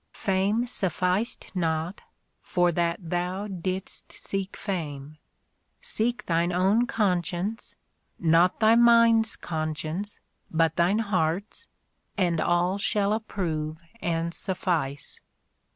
Fame sufficed not, for that thou didst seek fame : seek thine own con science (not thy mind's conscience, but thine heart's), and all shall approve and suffice."